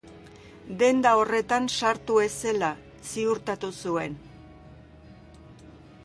Denda horretan sartu ez zela ziurtatu zuen.